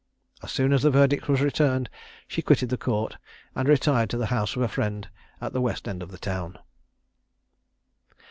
As soon as the verdict was returned, she quitted the Court, and retired to the house of a friend at the west end of the town.